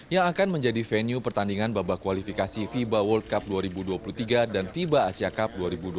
yang akan menjadi venue pertandingan babak kualifikasi fiba world cup dua ribu dua puluh tiga dan fiba asia cup dua ribu dua puluh tiga